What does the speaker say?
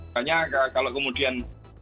hanya kalau kemudian